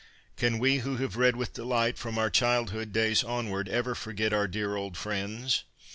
Can we who have read with delight from our childhood days onward ever forget our dear old friends